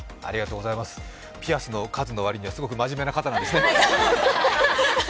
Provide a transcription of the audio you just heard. ピアスの数の割にはすごく真面目な方なんですね。